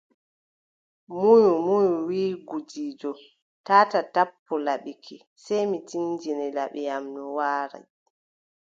Munyi, munyi, wiʼi gudiijo : taataa tappu laɓi ki, sey mi tindine laɓi am no waari.